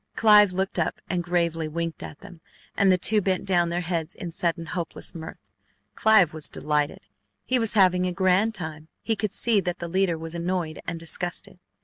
Clive looked up and gravely winked at them, and the two bent down their heads in sudden hopeless mirth. Clive was delighted. He was having a grand time. He could see that the leader was annoyed and disgusted.